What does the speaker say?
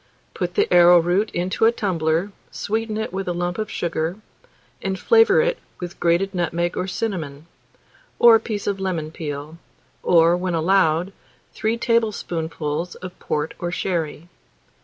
Put the arrowroot into a tumbler, sweeten it with lump sugar, and flavour it with grated nutmeg or cinnamon, or a piece of lemon peel, or, when allowed, 3 tablespoonfuls of port or sherry.